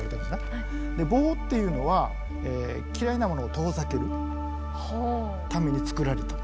棒っていうのは嫌いなものを遠ざけるためにつくられた。